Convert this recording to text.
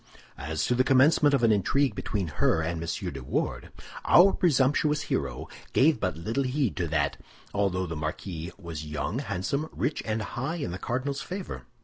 As to the commencement of an intrigue between her and M. de Wardes, our presumptuous hero gave but little heed to that, although the marquis was young, handsome, rich, and high in the cardinal's favor.